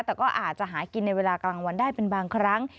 แต่ก็อาจจะหากินในเวลากลางวันได้เป็นบางครั้ง